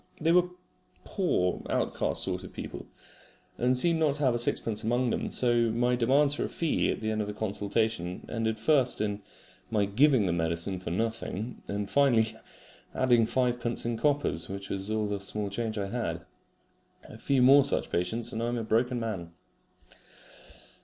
They were poor outcast sort of people, and seemed not to have sixpence among them; so my demands for a fee at the end of the consultation ended first in my giving the medicine for nothing, and finally adding fivepence in coppers, which was all the small change I had. A few more such patients and I am a broken man.